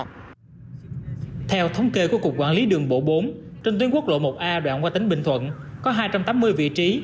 theo thống kê của cục quản lý đường bộ bốn trên tuyến quốc lộ một a đoạn qua tỉnh bình thuận có hai trăm tám mươi vị trí